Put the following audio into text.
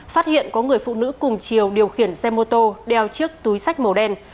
phát hiện có người phụ nữ cùng chiều điều khiển xe mô tô đeo chiếc túi sách màu đen